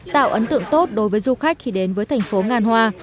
tạo ấn tượng tốt đối với du khách khi đến với thành phố ngàn hoa